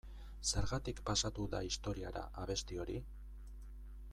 Zergatik pasatu da historiara abesti hori?